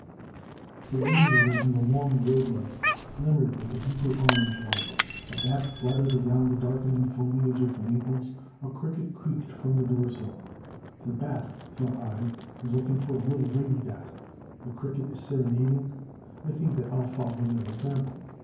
The rain water in the long road ruts glimmered with a deeper orange light. A bat fluttered around the darkening foliage of the maples ; a cricket creaked from door sill. '' The bat/' thought I, *' is looking for a little lady bat; the cricket is serenading; I think that I '11 follow their example.